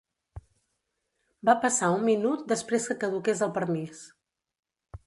Va passar un minut després que caduqués el permís.